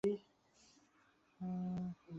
এদিকে আয়, শালী।